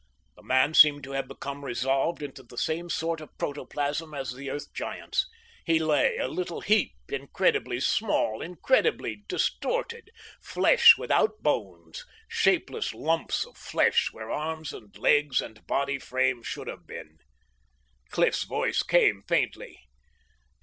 The man seemed to have become resolved into the same sort of protoplasm as the Earth Giants. He lay, a little heap, incredibly small, incredibly distorted. Flesh without bones, shapeless lumps of flesh where arms and legs and body frame should have been. Cliff's voice came faintly.